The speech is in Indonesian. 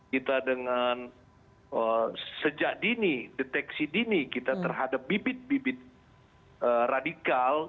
kita dengan sejak dini deteksi dini kita terhadap bibit bibit radikal